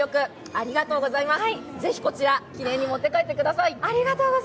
ありがとうございます。